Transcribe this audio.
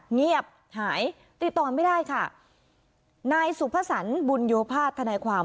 เงียบหายติดต่อไม่ได้ค่ะนายสุภสรรบุญโยภาษธนายความ